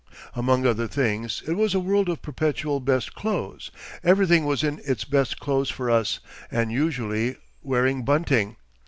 'Among other things, it was a world of perpetual best clothes. Everything was in its best clothes for us, and usually wearing bunting.